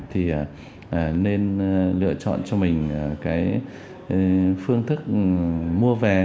thì nên lựa chọn cho mình cái phương thức mua vé